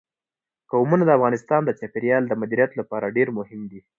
قومونه د افغانستان د چاپیریال د مدیریت لپاره ډېر مهم دي.